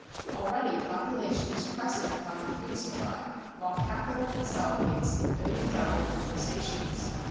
Already population is pressing upon the food supply while capital consolidates in billion dollar organizations.